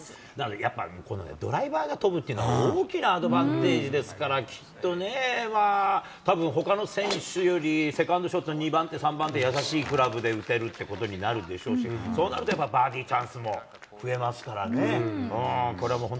やっぱドライバーが飛ぶっていうのは、大きなアドバンテージですから、きっとね、まあ、たぶんほかの選手よりセカンドショット、２番手、３番手、易しいクラブで打てるってことになるでしょうし、そうなるとやっぱりバーディーチャンスも増えますからね。